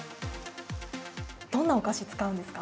どんなお菓子を使うんですか？